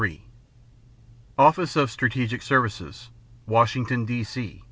3 Office of Strategic Services Washington, D. C.